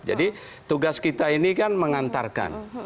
jadi tugas kita ini kan mengantarkan